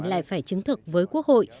lại phải chứng thực với quốc hội